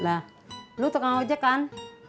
lah lo tukang aja kan